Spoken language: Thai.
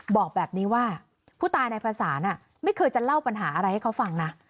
บอกแบบนี้ว่าผู้ตายนายประสานไม่เคยจะเล่าปัญหาอะไรให้เขาฟังนะ